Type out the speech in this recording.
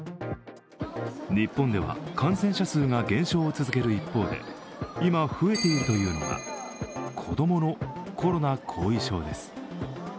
日本では感染者数が減少を続ける一方で今、増えているというのが子供のコロナ後遺症です。